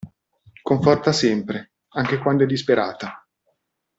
Conforta sempre, anche quando è disperata.